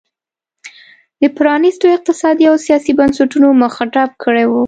د پرانیستو اقتصادي او سیاسي بنسټونو مخه ډپ کړې وه.